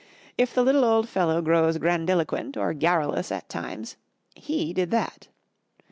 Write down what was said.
If the little old fellow grows grandiloquent or garrulous at times he did that.